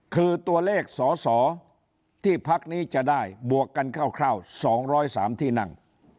คือตัวเลขสอสอที่พักนี้จะได้บวกกันคร่าว๒๐๓ที่นั่ง